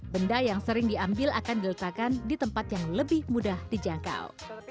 benda yang sering diambil akan diletakkan di tempat yang lebih mudah dijangkau